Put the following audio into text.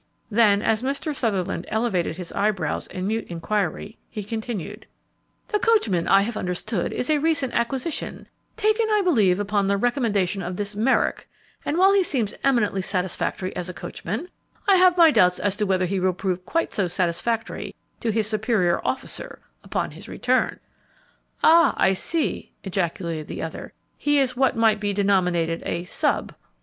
Then, as Mr. Sutherland elevated his eyebrows in mute inquiry, he continued, "The coachman, I have understood, is a recent acquisition, taken, I believe, upon the recommendation of this Merrick; and while he seems eminently satisfactory as a coachman, I have my doubts as to whether he will prove quite so satisfactory to his superior officer upon his return." "Ah, I see!" ejaculated the other; "he is what might be denominated a 'sub.'"